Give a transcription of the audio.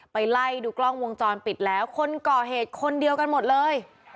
ไล่ดูกล้องวงจรปิดแล้วคนก่อเหตุคนเดียวกันหมดเลย